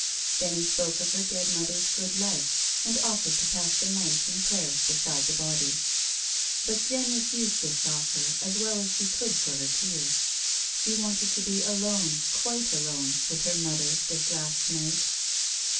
Then he spoke of her dead mother's good life, and offered to pass the night in prayers beside the body. But Jeanne refused this offer as well as she could for her tears. She wanted to be alone, quite alone, with her mother this last night.